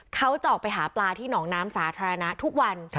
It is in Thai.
เขาจะออกไปหาปลาที่หนองน้ำสาธารณะทุกวัน